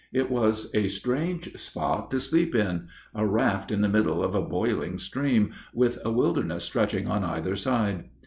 It was a strange spot to sleep in a raft in the middle of a boiling stream, with a wilderness stretching on either side.